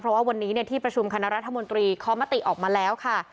เพราะว่าวันนี้ที่ประชุมคณะรัฐมนตรีขอมติออกมาแล้วค่ะ